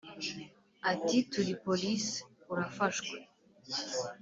ati"turi police urafashwe